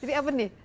jadi apa nih